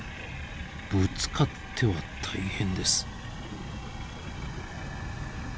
ぶつかっては大変です。